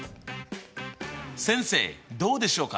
先生どうでしょうか？